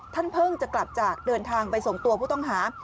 เพิ่งจะกลับจากเดินทางไปส่งตัวผู้ต้องหา